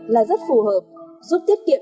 là rất phù hợp giúp tiết kiệm